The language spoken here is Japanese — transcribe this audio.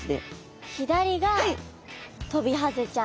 左がトビハゼちゃん。